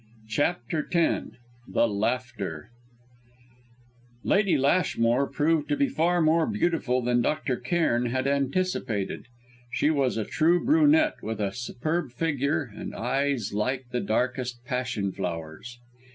CHAPTER X THE LAUGHTER Lady Lashmore proved to be far more beautiful than Dr. Cairn had anticipated. She was a true brunette with a superb figure and eyes like the darkest passion flowers.